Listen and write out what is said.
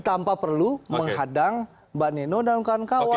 tanpa perlu menghadang mbak neno dan kawan kawan